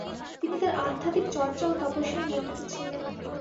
তিনি তাঁর আধ্যাত্মিক চর্চা ও তপস্যায় নিয়মিত ছিলেন।